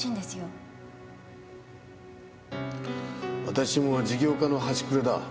私も事業家の端くれだ。